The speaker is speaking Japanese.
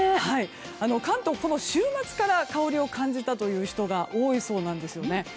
関東、この週末から香りを感じたという人が多いそうなんですよね。